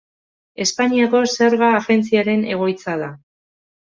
Espainiako Zerga Agentziaren egoitza da.